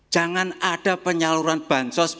jangan ada penyaluran bansos